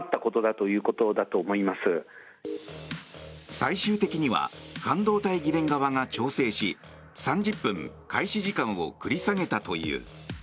最終的には半導体議連側が調整し３０分、開始時間を繰り下げたという。